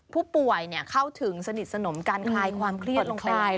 ผู้ป่วยเข้าถึงสนิทสนมการคลายความเครียดลงไป